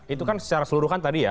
itu kan secara seluruh kan tadi ya